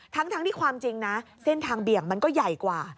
ทั้งที่ความจริงนะเส้นทางเบี่ยงมันก็ใหญ่กว่า